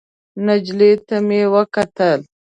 نجلۍ ته مې وکتل.